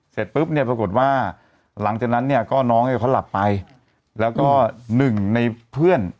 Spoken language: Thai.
เสร็จปุ๊บเนี่ยปรากฏว่าหลังจากนั้นเนี่ยก็น้องเนี่ยเขาหลับไปแล้วก็หนึ่งในเพื่อน